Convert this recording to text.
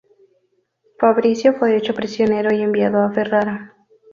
Fabrizio fue hecho prisionero y enviado a Ferrara.